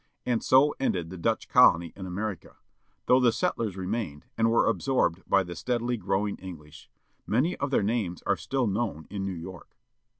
And so ended the Dutch colony in America, though the settlers remained, and were absorbed by the steadily growing English. Many of their names are still known in New York.